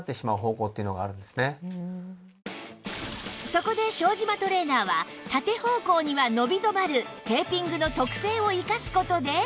そこで庄島トレーナーは縦方向には伸び止まるテーピングの特性を生かす事で